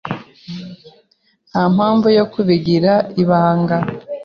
Nta mpamvu yo kubigira ibanga.